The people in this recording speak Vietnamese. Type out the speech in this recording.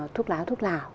thuốc lá thuốc lào